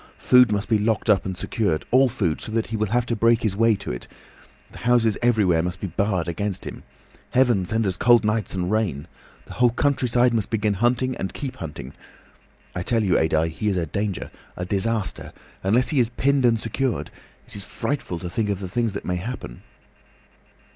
Food must be locked up and secured, all food, so that he will have to break his way to it. The houses everywhere must be barred against him. Heaven send us cold nights and rain! The whole country side must begin hunting and keep hunting. I tell you, Adye, he is a danger, a disaster; unless he is pinned and secured, it is frightful to think of the things that may happen."